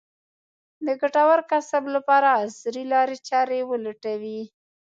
د ګټور کسب لپاره عصري لارې چارې ولټوي.